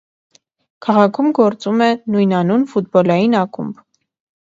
Քաղաքում գործում է նույնանուն ֆուտբոլային ակումբ։